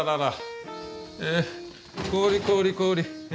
えっ氷氷氷。